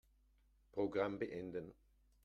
Programm beenden.